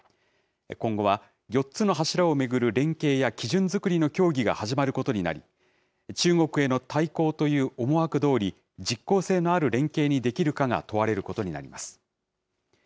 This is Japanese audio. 今後は、４つの柱を巡る連携や基準作りの協議が始まることになり、中国への対抗という思惑どおり、実効性のある連携にできるかが問われることになります。